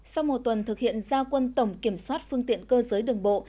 sau một tuần thực hiện gia quân tổng kiểm soát phương tiện cơ giới đường bộ